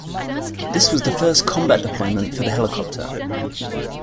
This was the first combat deployment for the helicopter.